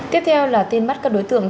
tiếp theo là tin mắt các đối tượng